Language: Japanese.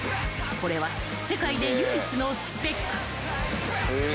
［これは世界で唯一のスペック］